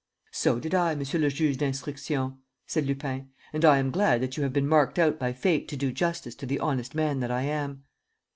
"So did I, Monsieur le Juge d'Instruction," said Lupin, "and I am glad that you have been marked out by fate to do justice to the honest man that I am."